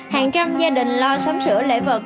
hàng trăm gia đình lo sắm sửa lễ vật